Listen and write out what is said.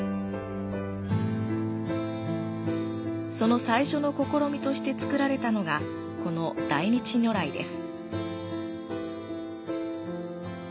その最初の試みとして作られたのが、この大日如来です。